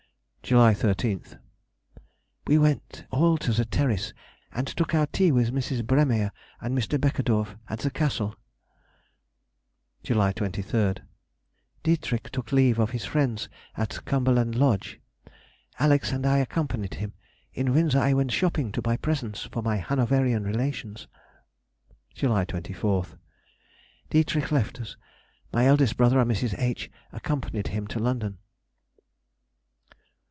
July 13th.—We went all to the Terrace, and took our tea with Mrs. Bremeyer and Mr. Beckedorff at the Castle. July 23rd.—Dietrich took leave of his friends at Cumberland Lodge. Alex. and I accompanied him. In Windsor I went shopping to buy presents for my Hanoverian relations. July 24th.—D. left us. My eldest brother and Mrs. H. accompanied him to London.